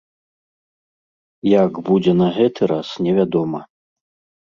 Як будзе на гэты раз, невядома.